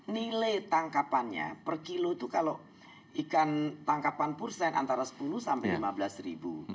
nilai tangkapannya per kilo itu kalau ikan tangkapan pursen antara sepuluh sampai lima belas ribu